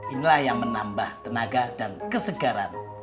inilah yang menambah tenaga dan kesegaran